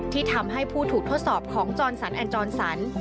ที่ทำให้ผู้ถูกทดสอบของจรสันแอนจรสัน